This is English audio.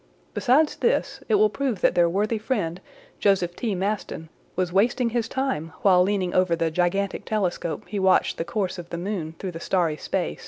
Besides this, it will prove that their worthy friend, Joseph T. Maston, was wasting his time, while leaning over the gigantic telescope he watched the course of the moon through the starry space.